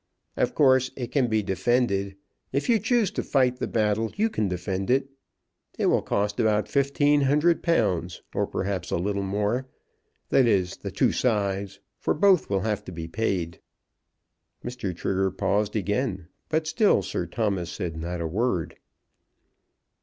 "Of course it can be defended. If you choose to fight the battle you can defend it. It will cost about £1,500, or perhaps a little more. That is, the two sides, for both will have to be paid." Mr. Trigger paused again, but still Sir Thomas said not a word.